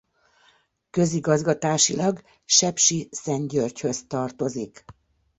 Közigazgatásilag Sepsiszentgyörgyhöz tartozik.